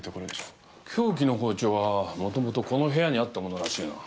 凶器の包丁はもともとこの部屋にあったものらしいが。